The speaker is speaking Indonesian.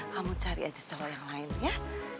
kamu cari aja cowok yang lain ya